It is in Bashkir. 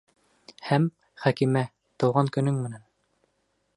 Һәм, Хәкимә, тыуған көнөң менән!